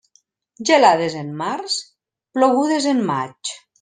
Gelades en març, plogudes en maig.